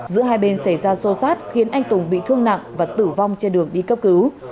giữa hai bên xảy ra xô xát khiến anh tùng bị thương nặng và tử vong trên đường đi cấp cứu